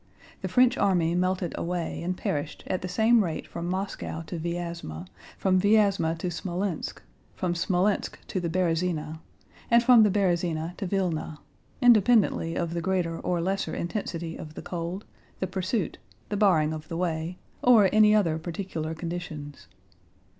The French army melted away and perished at the same rate from Moscow to Vyázma, from Vyázma to Smolénsk, from Smolénsk to the Berëzina, and from the Berëzina to Vílna—independently of the greater or lesser intensity of the cold, the pursuit, the barring of the way, or any other particular conditions.